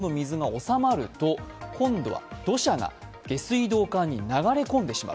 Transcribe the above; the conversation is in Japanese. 雨がやみ、下水道の水が収まると今度は土砂が下水道管に流れ込んでしまう。